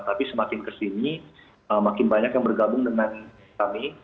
tapi semakin kesini makin banyak yang bergabung dengan kami